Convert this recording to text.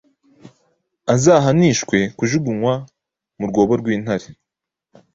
azahanishwe kujugunywa mu rwobo rw’Intare.